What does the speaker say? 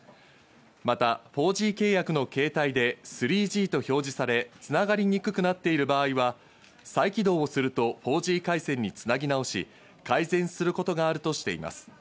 また４Ｇ契約の携帯で３Ｇと表示され、つながりにくくなっている場合は再起動をすると４Ｇ回線につなぎ直し、改善することがあるとしています。